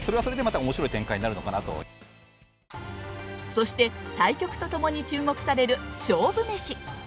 そして、対局とともに注目される勝負めし。